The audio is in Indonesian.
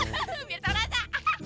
biar tau rasa